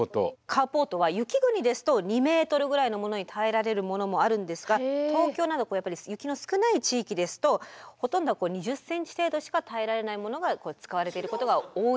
カーポートは雪国ですと２ｍぐらいのものに耐えられるものもあるんですが東京など雪の少ない地域ですとほとんどは２０ｃｍ程度しか耐えられないものが使われていることが多い。